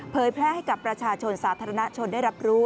แพร่ให้กับประชาชนสาธารณชนได้รับรู้